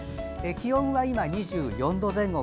気温は今２４度前後。